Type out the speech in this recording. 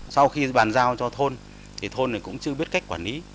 sau khi bàn giao cho thôn thì thôn này cũng chưa biết cách quản lý